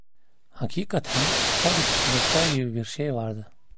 Hakikaten ta dipte defter gibi bir şey vardı.